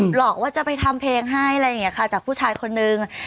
หลอกว่าจะไปทำเพลงให้อะไรอย่างนี้ค่ะจากผู้ชายคนนึง